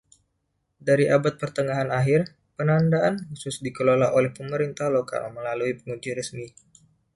Dari Abad Pertengahan Akhir, penandaan khusus dikelola oleh pemerintah lokal melalui penguji resmi.